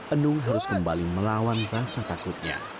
enung harus kembali melawan rasa takutnya